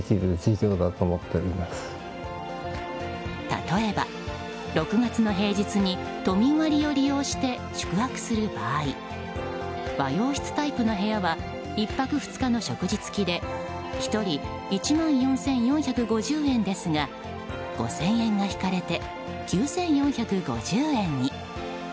例えば、６月の平日に都民割を利用して宿泊する場合和洋室タイプの部屋は１泊２日の食事付きで１人１万４４５０円ですが５０００円が引かれて９４５０円に。